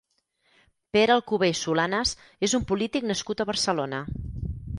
Pere Alcober i Solanas és un polític nascut a Barcelona.